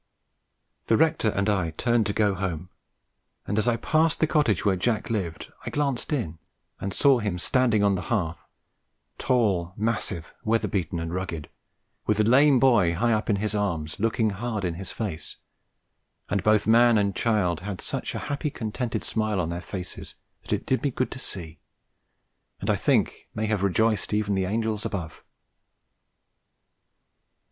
The rector and I turned to go home, and as I passed the cottage where Jack lived I glanced in and saw him standing on the hearth, tall, massive, weather beaten and rugged, with the lame boy high up in his arms looking hard in his face, and both man and child had such a happy contented smile on their faces that it did me good to see, and I think may have rejoiced even the angels above.